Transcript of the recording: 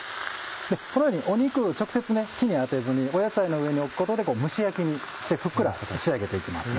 このように肉直接火に当てずに野菜の上に置くことで蒸し焼きにしてふっくら仕上げて行きます。